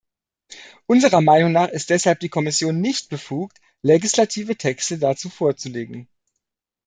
Unserer Meinung nach ist deshalb die Kommission nicht befugt, legislative Texte dazu vorzulegen.